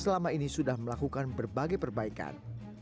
selama ini sudah melakukan berbagai perbaikan